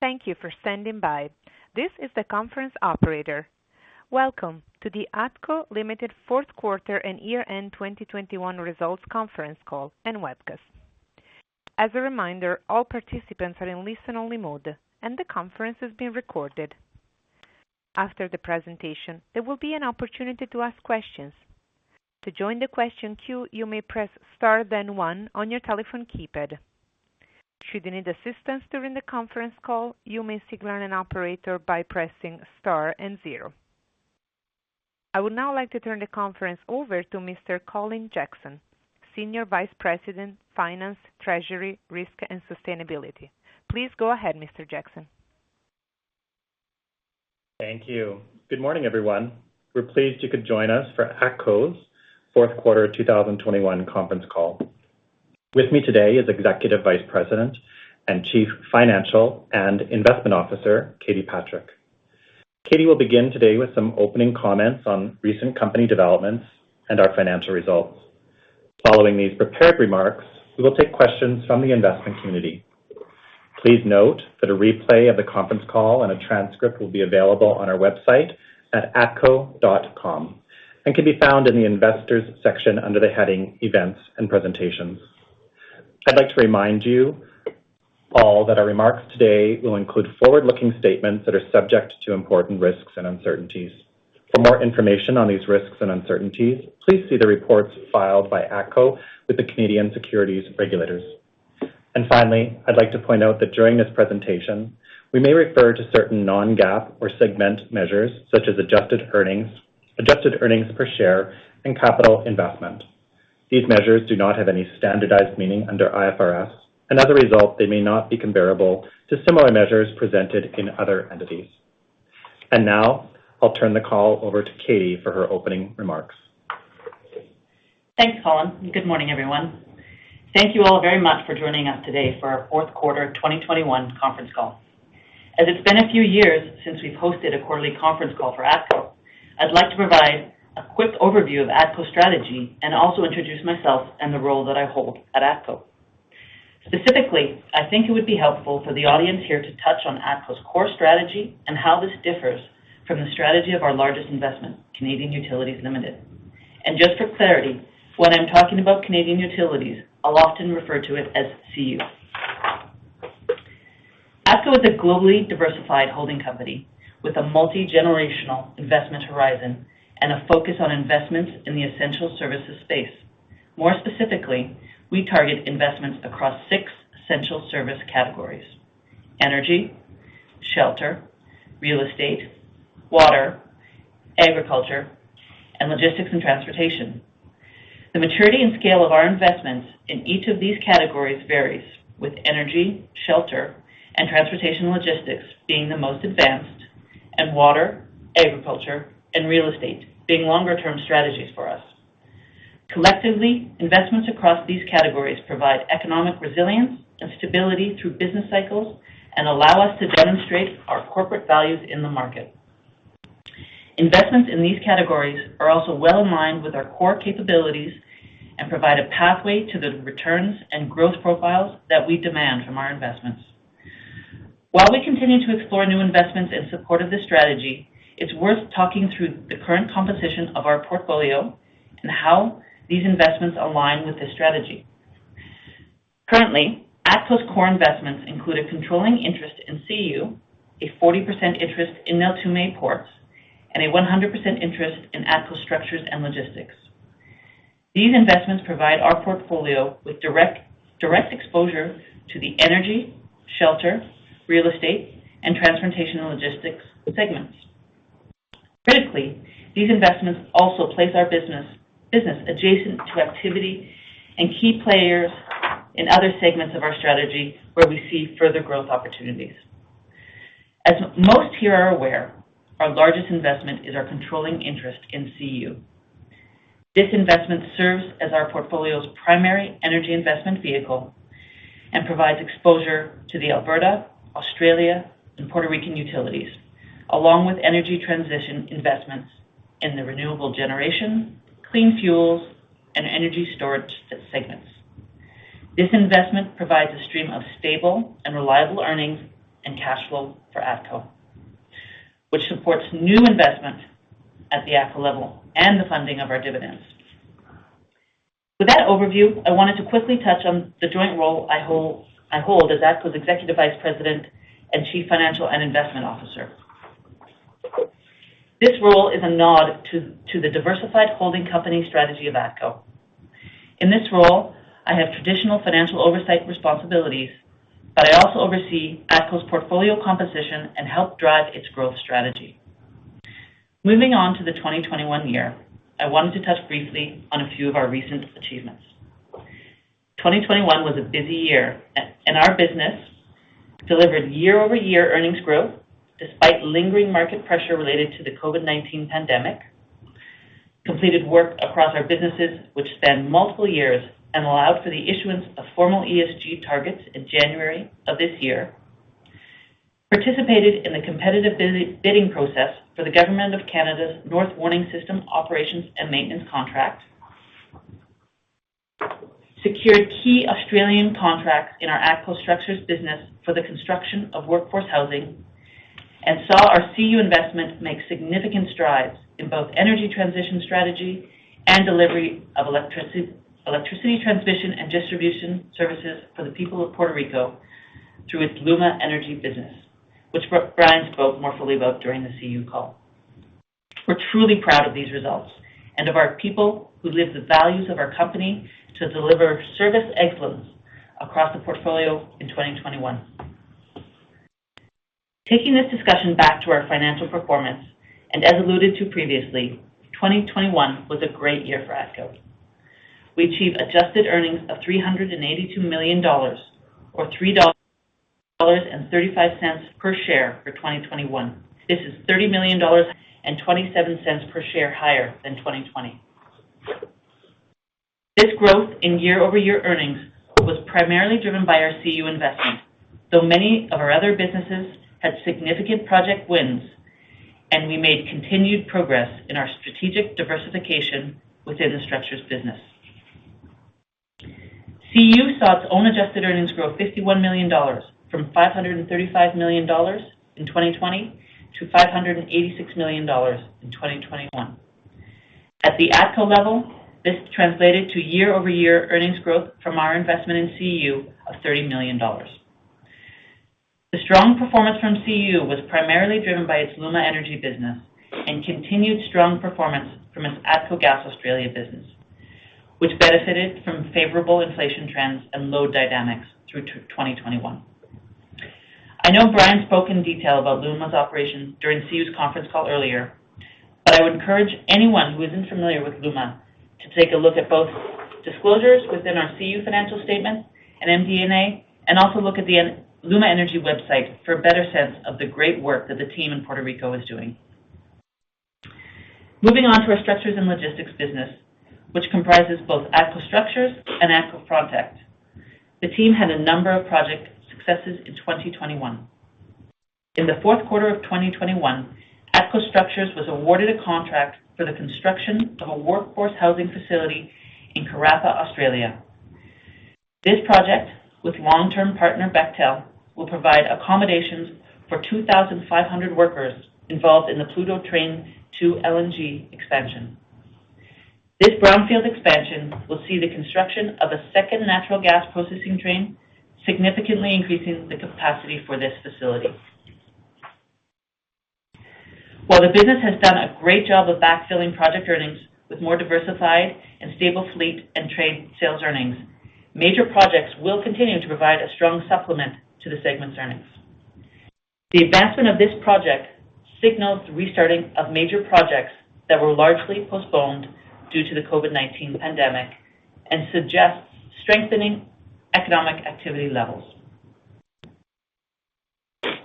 Thank you for standing by. This is the conference operator. Welcome to the ATCO Ltd. Q4 and Year-End 2021 Results Conference Call and Webcast. As a reminder, all participants are in listen-only mode, and the conference is being recorded. After the presentation, there will be an opportunity to ask questions. To join the question queue, you may press Star, then one on your telephone keypad. Should you need assistance during the conference call, you may signal an operator by pressing Star and zero. I would now like to turn the conference over to Mr. Colin Jackson, Senior Vice President, Finance, Treasury, Risk, and Sustainability. Please go ahead, Mr. Jackson. Thank you. Good morning, everyone. We're pleased you could join us for ATCO's Q4 2021 conference call. With me today is Executive Vice President and Chief Financial and Investment Officer, Katie Patrick. Katie will begin today with some opening comments on recent company developments and our financial results. Following these prepared remarks, we will take questions from the investment community. Please note that a replay of the conference call and a transcript will be available on our website at atco.com and can be found in the Investors section under the heading Events and Presentations. I'd like to remind you all that our remarks today will include forward-looking statements that are subject to important risks and uncertainties. For more information on these risks and uncertainties, please see the reports filed by ATCO with the Canadian Securities regulators. Finally, I'd like to point out that during this presentation, we may refer to certain non-GAAP or segment measures such as adjusted earnings, adjusted earnings per share, and capital investment. These measures do not have any standardized meaning under IFRS, and as a result, they may not be comparable to similar measures presented in other entities. Now I'll turn the call over to Katie for her opening remarks. Thanks, Colin, and good morning, everyone. Thank you all very much for joining us today for our Q4 2021 conference call. As it's been a few years since we've hosted a quarterly conference call for ATCO, I'd like to provide a quick overview of ATCO's strategy and also introduce myself and the role that I hold at ATCO. Specifically, I think it would be helpful for the audience here to touch on ATCO's core strategy and how this differs from the strategy of our largest investment, Canadian Utilities Limited. Just for clarity, when I'm talking about Canadian Utilities, I'll often refer to it as CU. ATCO is a globally diversified holding company with a multi-generational investment horizon and a focus on investments in the essential services space. More specifically, we target investments across six essential service categories, energy, shelter, real estate, water, agriculture, and logistics and transportation. The maturity and scale of our investments in each of these categories varies, with energy, shelter, and transportation logistics being the most advanced, and water, agriculture, and real estate being longer-term strategies for us. Collectively, investments across these categories provide economic resilience and stability through business cycles and allow us to demonstrate our corporate values in the market. Investments in these categories are also well-aligned with our core capabilities and provide a pathway to the returns and growth profiles that we demand from our investments. While we continue to explore new investments in support of this strategy, it's worth talking through the current composition of our portfolio and how these investments align with this strategy. Currently, ATCO's core investments include a controlling interest in CU, a 40% interest in Neltume Ports, and a 100% interest in ATCO Structures & Logistics. These investments provide our portfolio with direct exposure to the energy, shelter, real estate, and transportation and logistics segments. Critically, these investments also place our business adjacent to activity and key players in other segments of our strategy where we see further growth opportunities. As most here are aware, our largest investment is our controlling interest in CU. This investment serves as our portfolio's primary energy investment vehicle and provides exposure to the Alberta, Australia, and Puerto Rican utilities, along with energy transition investments in the renewable generation, clean fuels, and energy storage segments. This investment provides a stream of stable and reliable earnings and cash flow for ATCO, which supports new investment at the ATCO level and the funding of our dividends. With that overview, I wanted to quickly touch on the joint role I hold as ATCO's Executive Vice President and Chief Financial and Investment Officer. This role is a nod to the diversified holding company strategy of ATCO. In this role, I have traditional financial oversight responsibilities, but I also oversee ATCO's portfolio composition and help drive its growth strategy. Moving on to the 2021 year, I wanted to touch briefly on a few of our recent achievements. 2021 was a busy year, and our business delivered year-over-year earnings growth despite lingering market pressure related to the COVID-19 pandemic, and completed work across our businesses which spanned multiple years and allowed for the issuance of formal ESG targets in January of this year. participated in the competitive bidding process for the government of Canada's North Warning System operations and maintenance contract. We secured key Australian contracts in our ATCO Structures business for the construction of workforce housing and saw our CU investment make significant strides in both energy transition strategy and delivery of electricity transmission and distribution services for the people of Puerto Rico through its LUMA Energy business, which Brian spoke more fully about during the CU call. We're truly proud of these results and of our people who live the values of our company to deliver service excellence across the portfolio in 2021. Taking this discussion back to our financial performance, and as alluded to previously, 2021 was a great year for ATCO. We achieved adjusted earnings of 382 million dollars or 3.35 dollars per share for 2021. This is 30 million dollars and 0.27 per share higher than 2020. This growth in year-over-year earnings was primarily driven by our CU investment, though many of our other businesses had significant project wins, and we made continued progress in our strategic diversification within the structures business. CU saw its own adjusted earnings grow 51 million dollars from 535 million dollars in 2020 to 586 million dollars in 2021. At the ATCO level, this translated to year-over-year earnings growth from our investment in CU of 30 million dollars. The strong performance from CU was primarily driven by its LUMA Energy business and continued strong performance from its ATCO Gas Australia business, which benefited from favorable inflation trends and load dynamics through 2021. I know Brian spoke in detail about LUMA's operations during CU's conference call earlier, but I would encourage anyone who isn't familiar with LUMA to take a look at both disclosures within our CU financial statements and MD&A, and also look at the LUMA Energy website for a better sense of the great work that the team in Puerto Rico is doing. Moving on to our structures and logistics business, which comprises both ATCO Structures and ATCO Frontec. The team had a number of project successes in 2021. In the Q4 of 2021, ATCO Structures was awarded a contract for the construction of a workforce housing facility in Karratha, Australia. This project, with long-term partner Bechtel, will provide accommodations for 2,500 workers involved in the Pluto Train 2 LNG expansion. This brownfield expansion will see the construction of a second natural gas processing train, significantly increasing the capacity for this facility. While the business has done a great job of backfilling project earnings with more diversified and stable fleet and trade sales earnings, major projects will continue to provide a strong supplement to the segment's earnings. The advancement of this project signals the restarting of major projects that were largely postponed due to the COVID-19 pandemic and suggests strengthening economic activity levels.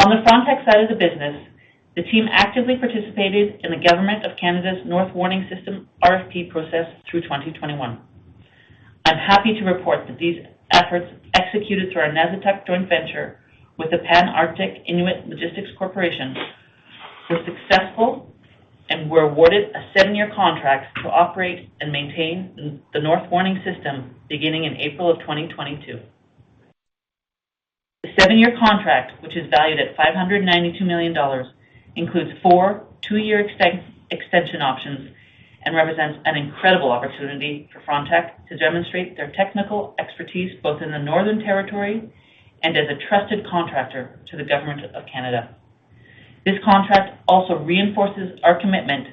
On the Frontec side of the business, the team actively participated in the Government of Canada's North Warning System RFP process through 2021. I'm happy to report that these efforts executed through our Nasittuq joint venture with the Pan Arctic Inuit Logistics Corporation were successful and were awarded a seven-year contract to operate and maintain the North Warning System beginning in April of 2022. The 7-year contract, which is valued at 592 million dollars, includes four two-year extension options and represents an incredible opportunity for Frontec to demonstrate their technical expertise both in the Northern Territory and as a trusted contractor to the Government of Canada. This contract also reinforces our commitment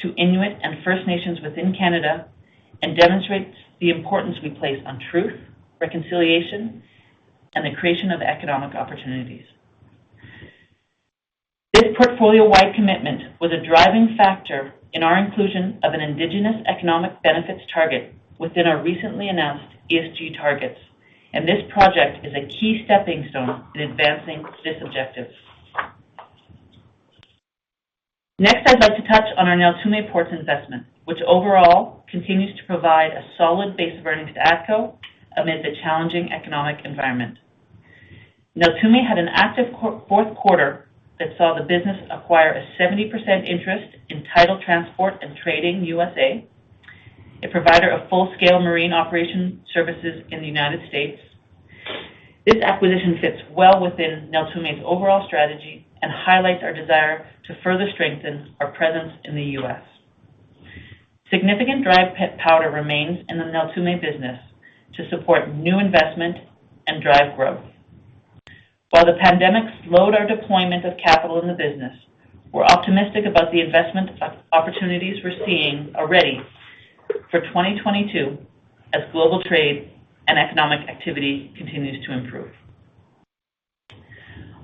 to Inuit and First Nations within Canada and demonstrates the importance we place on truth, reconciliation, and the creation of economic opportunities. This portfolio-wide commitment was a driving factor in our inclusion of an indigenous economic benefits target within our recently announced ESG targets, and this project is a key stepping stone in advancing this objective. Next, I'd like to touch on our Neltume Ports investment, which overall continues to provide a solid base of earnings to ATCO amid the challenging economic environment. Neltume had an active Q4 that saw the business acquire a 70% interest in Tidal Transport & Trading USA, a provider of full-scale marine operation services in the United States. This acquisition fits well within Neltume's overall strategy and highlights our desire to further strengthen our presence in the U.S. Significant dry powder remains in the Neltume business to support new investment and drive growth. While the pandemic slowed our deployment of capital in the business, we're optimistic about the investment opportunities we're seeing already for 2022 as global trade and economic activity continues to improve.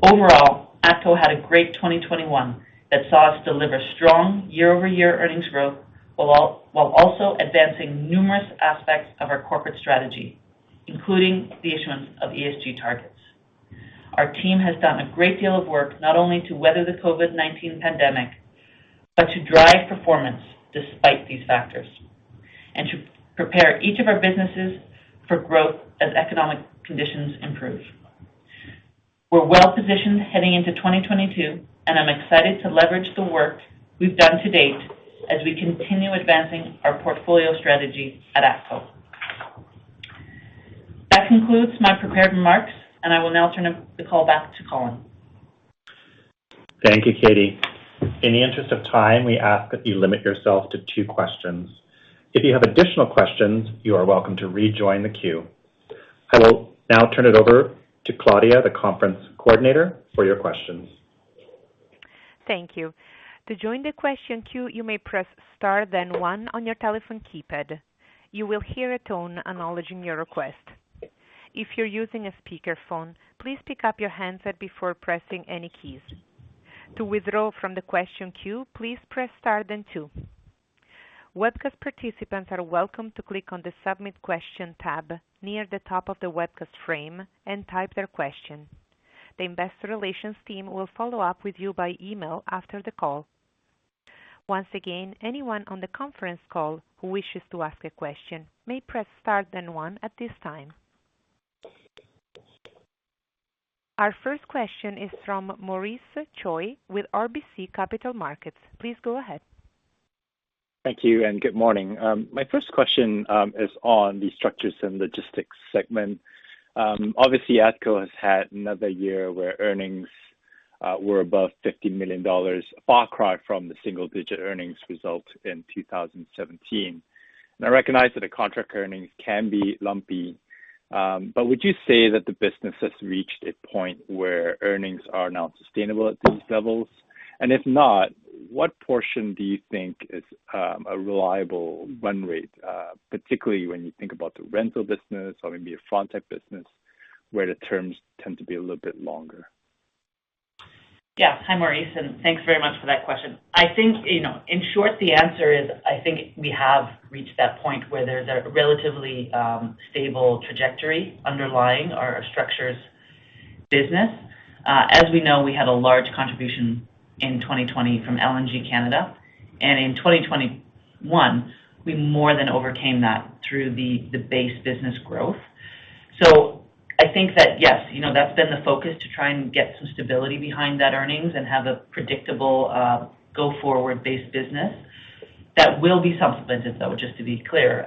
Overall, ATCO had a great 2021 that saw us deliver strong year-over-year earnings growth, while also advancing numerous aspects of our corporate strategy, including the issuance of ESG targets. Our team has done a great deal of work not only to weather the COVID-19 pandemic, but to drive performance despite these factors and to prepare each of our businesses for growth as economic conditions improve. We're well-positioned heading into 2022, and I'm excited to leverage the work we've done to date as we continue advancing our portfolio strategy at ATCO. That concludes my prepared remarks, and I will now turn the call back to Colin. Thank you, Katie. In the interest of time, we ask that you limit yourself to two questions. If you have additional questions, you are welcome to rejoin the queue. I will now turn it over to Claudia, the conference coordinator, for your questions. Thank you. To join the question queue, you may press Star, then one on your telephone keypad. You will hear a tone acknowledging your request. If you're using a speakerphone, please pick up your handset before pressing any keys. To withdraw from the question queue, please press Star then two. Webcast participants are welcome to click on the Submit Question tab near the top of the webcast frame and type their question. The investor relations team will follow up with you by email after the call. Once again, anyone on the conference call who wishes to ask a question may press Star then one at this time. Our first question is from Maurice Choy with RBC Capital Markets. Please go ahead. Thank you and good morning. My first question is on the Structures & Logistics segment. Obviously, ATCO has had another year where earnings were above 50 million dollars, a far cry from the single-digit earnings result in 2017. I recognize that the contract earnings can be lumpy, but would you say that the business has reached a point where earnings are now sustainable at these levels? If not, what portion do you think is a reliable run rate, particularly when you think about the rental business or maybe a front-end business where the terms tend to be a little bit longer? Yeah. Hi, Maurice, and thanks very much for that question. I think, you know, in short, the answer is, I think we have reached that point where there's a relatively stable trajectory underlying our structures business. As we know, we had a large contribution in 2020 from LNG Canada. In 2021, we more than overcame that through the base business growth. I think that, yes, you know, that's been the focus to try and get some stability behind that earnings and have a predictable go-forward base business that will be supplemented, though, just to be clear,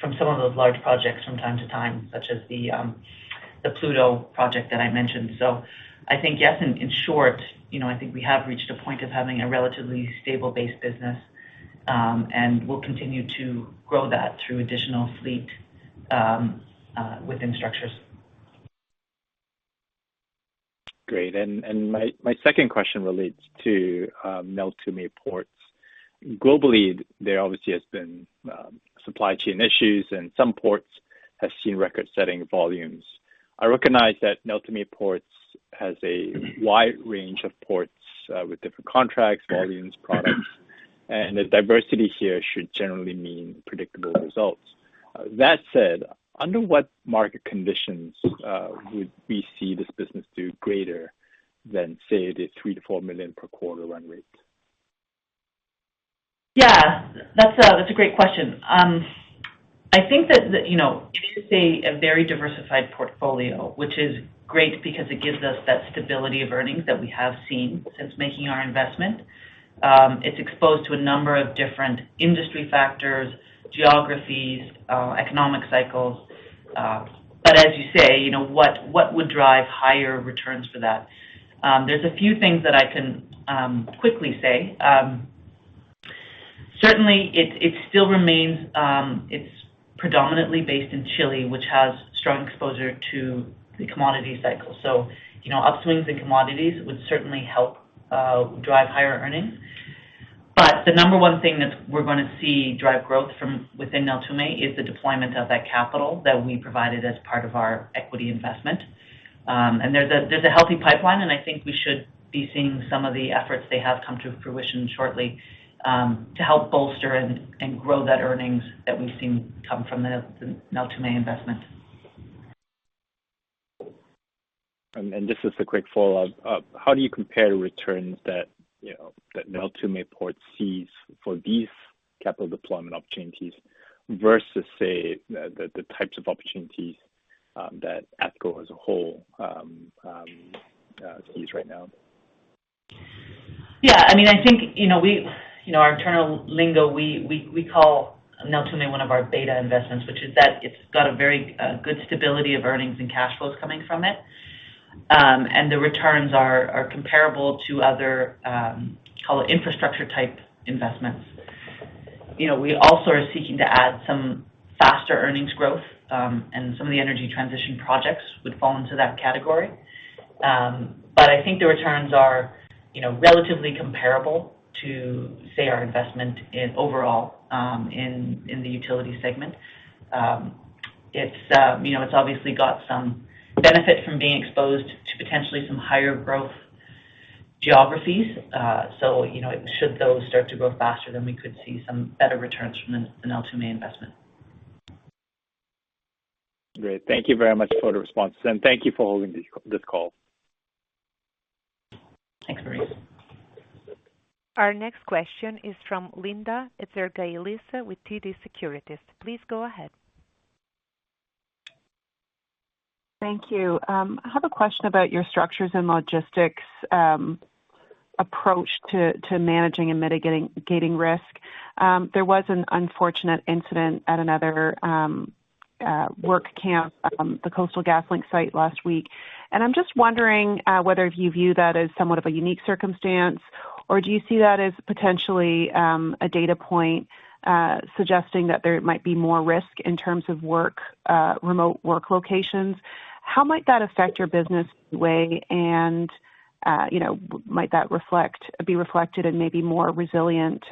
from some of those large projects from time to time, such as the Pluto project that I mentioned. I think, yes, in short, you know, I think we have reached a point of having a relatively stable base business, and we'll continue to grow that through additional fleet, within structures. Great. My second question relates to Neltume Ports. Globally, there obviously has been supply chain issues, and some ports has seen record-setting volumes. I recognize that Neltume Ports has a wide range of ports with different contracts, volumes, products, and the diversity here should generally mean predictable results. That said, under what market conditions would we see this business do greater than, say, the 3 million-4 million per quarter run rate? Yeah. That's a great question. I think that the You know, it is a very diversified portfolio, which is great because it gives us that stability of earnings that we have seen since making our investment. It's exposed to a number of different industry factors, geographies, economic cycles. As you say, you know, what would drive higher returns for that? There's a few things that I can quickly say. Certainly it still remains, it's predominantly based in Chile, which has strong exposure to the commodity cycle. You know, upswings in commodities would certainly help drive higher earnings. The number one thing that we're going to see drive growth from within Neltume is the deployment of that capital that we provided as part of our equity investment. There's a healthy pipeline, and I think we should be seeing some of the efforts they have come to fruition shortly, to help bolster and grow that earnings that we've seen come from the Neltume investment. Just as a quick follow-up, how do you compare the returns that, you know, that Neltume Ports sees for these capital deployment opportunities versus, say, the types of opportunities that ATCO as a whole sees right now? Yeah. I mean, I think, you know, you know, our internal lingo, we call Neltume one of our beta investments, which is that it's got a very good stability of earnings and cash flows coming from it. The returns are comparable to other call it infrastructure-type investments. You know, we also are seeking to add some faster earnings growth, some of the energy transition projects would fall into that category. I think the returns are, you know, relatively comparable to, say, our investment in overall in the utility segment. It's, you know, it's obviously got some benefit from being exposed to potentially some higher growth geographies. You know, should those start to grow faster, then we could see some better returns from the Neltume investment. Great. Thank you very much for the response, and thank you for holding this call. Thanks very much. Our next question is from Linda Ezergailis with TD Securities. Please go ahead. Thank you. I have a question about your Structures & Logistics approach to managing and mitigating gating risk. There was an unfortunate incident at another work camp, the Coastal GasLink site last week. I'm just wondering whether you view that as somewhat of a unique circumstance or do you see that as potentially a data point suggesting that there might be more risk in terms of remote work locations. How might that affect your business in any way? You know, might that be reflected in maybe more resilient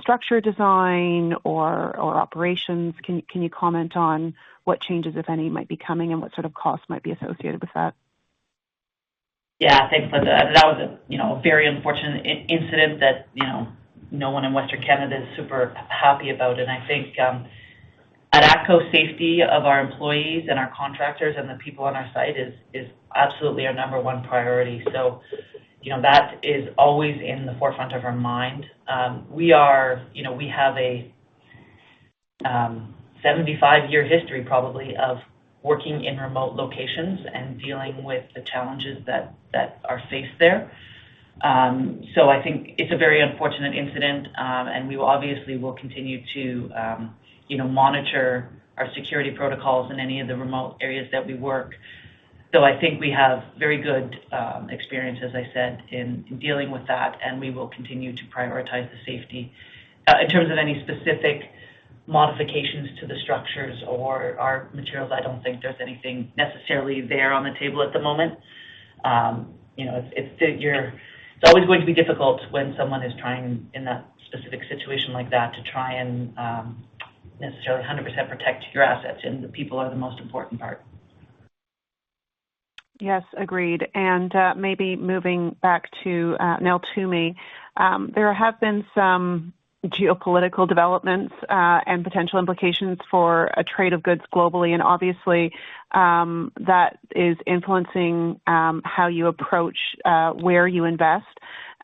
structure design or operations? Can you comment on what changes, if any, might be coming and what sort of costs might be associated with that? Yeah. Thanks, Linda. That was, you know, very unfortunate incident that, you know, no one in Western Canada is super happy about. I think at ATCO safety of our employees and our contractors and the people on our site is absolutely our number one priority. You know, that is always in the forefront of our mind. We, you know, have a 75-year history probably of working in remote locations and dealing with the challenges that are faced there. I think it's a very unfortunate incident. We obviously will continue to, you know, monitor our security protocols in any of the remote areas that we work. I think we have very good experience, as I said, in dealing with that, and we will continue to prioritize the safety. In terms of any specific modifications to the structures or our materials, I don't think there's anything necessarily there on the table at the moment. You know, it's always going to be difficult when someone is trying in that specific situation like that to try and necessarily 100% protect your assets and the people are the most important part. Yes, agreed. Maybe moving back to Neltume. There have been some geopolitical developments and potential implications for a trade of goods globally. Obviously, that is influencing how you approach where you invest.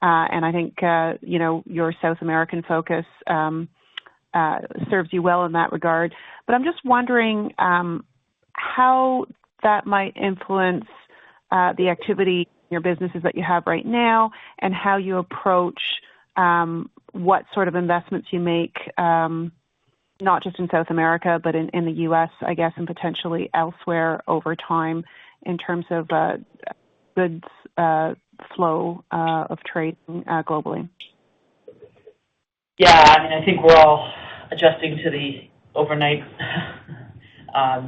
I think you know, your South American focus serves you well in that regard. I'm just wondering how that might influence the activity in your businesses that you have right now and how you approach what sort of investments you make, not just in South America, but in the U.S., I guess, and potentially elsewhere over time in terms of goods flow of trade globally. Yeah, I mean, I think we're all adjusting to the overnight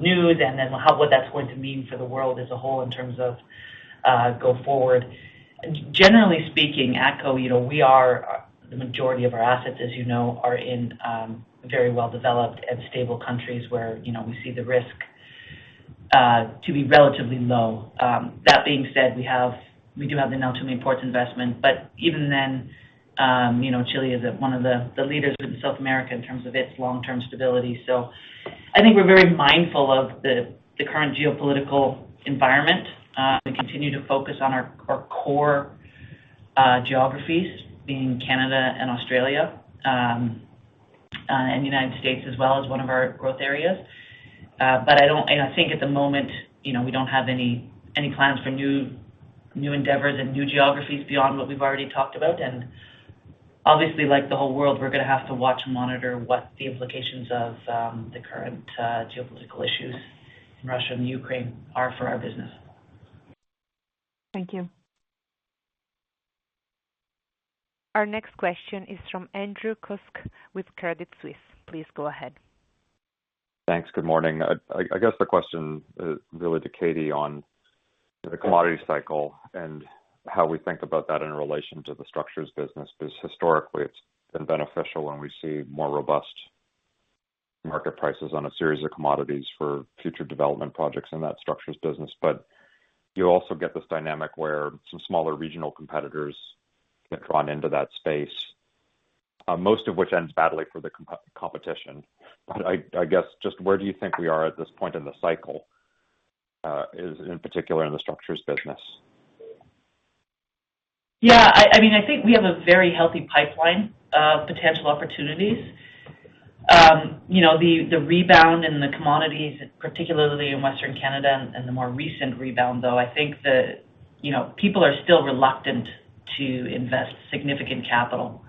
news and then what that's going to mean for the world as a whole in terms of go forward. Generally speaking, ATCO, you know, we are, the majority of our assets, as you know, are in very well developed and stable countries where, you know, we see the risk to be relatively low. That being said, we do have the Neltume Ports investment. But even then, you know, Chile is one of the leaders in South America in terms of its long-term stability. I think we're very mindful of the current geopolitical environment. We continue to focus on our core geographies, being Canada and Australia and United States as well as one of our growth areas. I think at the moment, you know, we don't have any plans for new endeavors and new geographies beyond what we've already talked about. Obviously, like the whole world, we're going to have to watch and monitor what the implications of the current geopolitical issues in Russia and Ukraine are for our business. Thank you. Our next question is from Andrew Kuske with Credit Suisse. Please go ahead. Thanks. Good morning. I guess the question really to Katie on the commodity cycle and how we think about that in relation to the structures business. Because historically it's been beneficial when we see more robust market prices on a series of commodities for future development projects in that structures business. But you also get this dynamic where some smaller regional competitors get drawn into that space, most of which ends badly for the competition. But I guess just where do you think we are at this point in the cycle in particular in the structures business? Yeah, I mean, I think we have a very healthy pipeline of potential opportunities. You know, the rebound in the commodities, particularly in Western Canada and the more recent rebound, though I think, you know, people are still reluctant to invest significant capital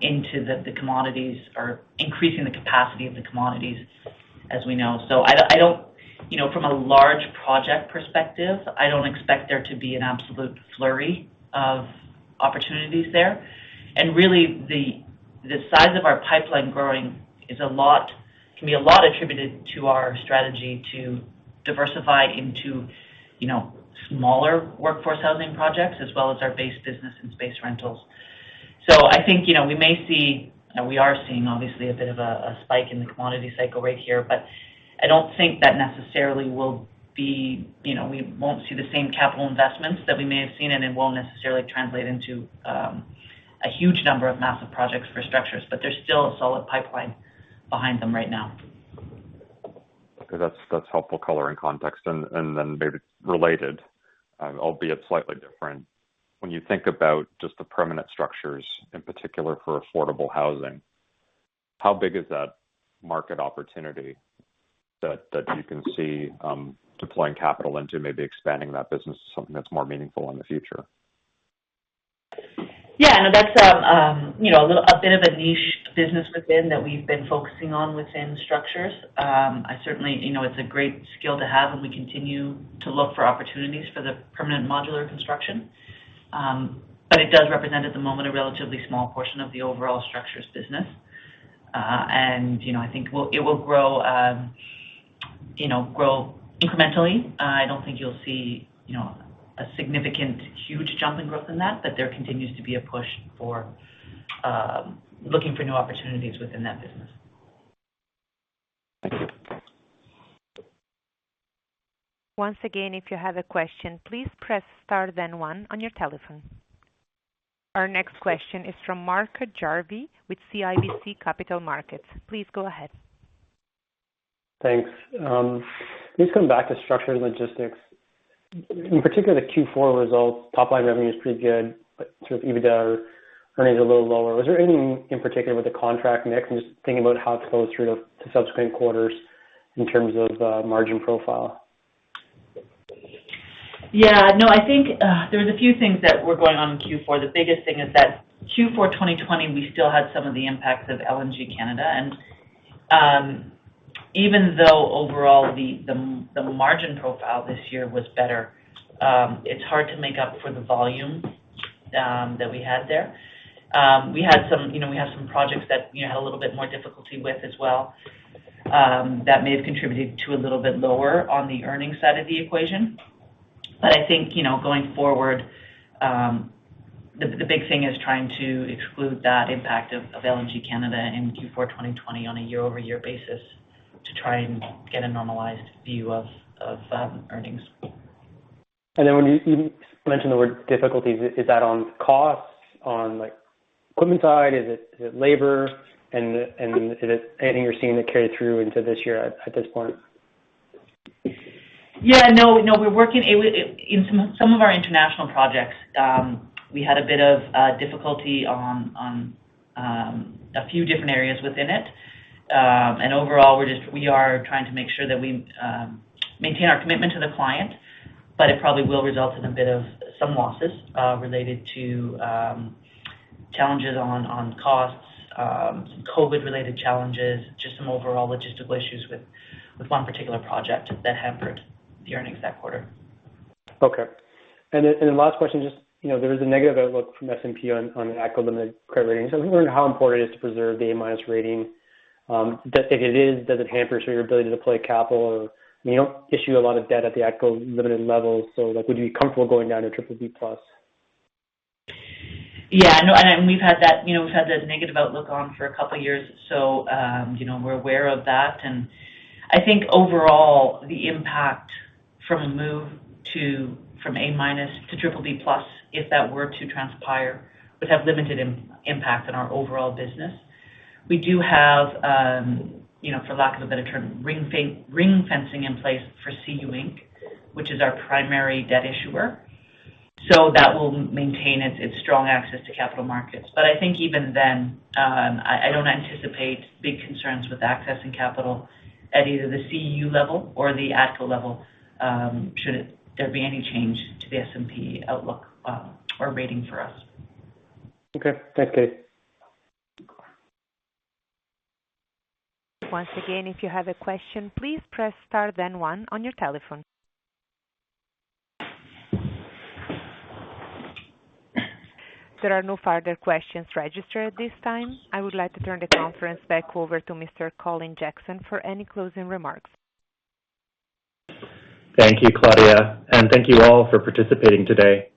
into the commodities or increasing the capacity of the commodities as we know. I don't, you know, from a large project perspective, I don't expect there to be an absolute flurry of opportunities there. Really the size of our pipeline growing can be a lot attributed to our strategy to diversify into, you know, smaller workforce housing projects as well as our base business and space rentals. I think, you know, we may see, we are seeing obviously a bit of a spike in the commodity cycle right here, but I don't think that necessarily will be. You know, we won't see the same capital investments that we may have seen, and it won't necessarily translate into a huge number of massive projects for structures. There's still a solid pipeline behind them right now. Okay, that's helpful color and context. Maybe related, albeit slightly different. When you think about just the permanent structures, in particular for affordable housing, how big is that market opportunity that you can see deploying capital into maybe expanding that business to something that's more meaningful in the future? Yeah. No, that's a you know, a bit of a niche business within that we've been focusing on within Structures. I certainly, you know, it's a great skill to have, and we continue to look for opportunities for the permanent modular construction. It does represent, at the moment, a relatively small portion of the overall Structures business. I think it will grow you know, grow incrementally. I don't think you'll see, you know, a significant huge jump in growth in that. There continues to be a push for looking for new opportunities within that business. Thank you. Once again, if you have a question, please press star then one on your telephone. Our next question is from Mark Jarvi with CIBC Capital Markets. Please go ahead. Thanks. Please come back to structured logistics. In particular, the Q4 results. Top line revenue is pretty good, but sort of EBITDA earnings a little lower. Was there anything in particular with the contract mix? I'm just thinking about how it flows through to subsequent quarters in terms of margin profile. Yeah. No, I think there was a few things that were going on in Q4. The biggest thing is that Q4 2020, we still had some of the impacts of LNG Canada. Even though overall the margin profile this year was better, it's hard to make up for the volume that we had there. We had some, you know, projects that, you know, had a little bit more difficulty with as well, that may have contributed to a little bit lower on the earnings side of the equation. I think, you know, going forward, the big thing is trying to exclude that impact of LNG Canada in Q4 2020 on a year-over-year basis to try and get a normalized view of earnings. When you mentioned the word difficulties, is that on costs on, like, equipment side? Is it labor? Is it anything you're seeing that carried through into this year at this point? We're working in some of our international projects. We had a bit of difficulty on a few different areas within it. Overall we are trying to make sure that we maintain our commitment to the client, but it probably will result in a bit of some losses related to challenges on costs, COVID-related challenges, just some overall logistical issues with one particular project that hampered the earnings that quarter. Okay. Last question, just, you know, there is a negative outlook from S&P on ATCO Ltd. credit rating. I was wondering how important it is to preserve the A- rating. If it is, does it hamper sort of your ability to deploy capital or, you know, issue a lot of debt at the ATCO Ltd. level? Like, would you be comfortable going down to BBB+? We've had that negative outlook on for a couple years, you know, we're aware of that. I think overall the impact from a move from A- to BBB+, if that were to transpire, would have limited impact on our overall business. We do have, for lack of a better term, ring fencing in place for CU Inc., which is our primary debt issuer, so that will maintain its strong access to capital markets. I think even then, I don't anticipate big concerns with accessing capital at either the CU level or the ATCO level, should there be any change to the S&P outlook or rating for us. Okay. Thanks, Kate. Once again, if you have a question, please press star then one on your telephone. There are no further questions registered at this time. I would like to turn the conference back over to Mr. Colin Jackson for any closing remarks. Thank you, Claudia, and thank you all for participating today.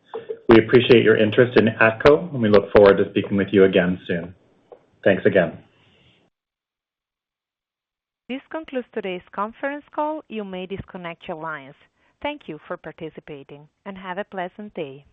We appreciate your interest in ATCO, and we look forward to speaking with you again soon. Thanks again. This concludes today's conference call. You may disconnect your lines. Thank you for participating, and have a pleasant day.